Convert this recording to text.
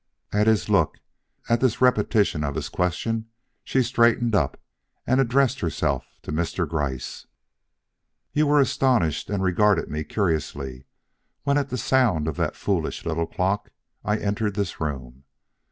"_ At his look, at this repetition of his question, she straightened up, and addressed herself to Mr. Gryce. "You were astonished and regarded me curiously when at the sound of that foolish little clock I entered this room.